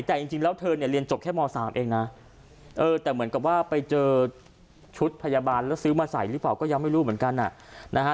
แต่จริงแล้วเธอเนี่ยเรียนจบแค่ม๓เองนะเออแต่เหมือนกับว่าไปเจอชุดพยาบาลแล้วซื้อมาใส่หรือเปล่าก็ยังไม่รู้เหมือนกันนะฮะ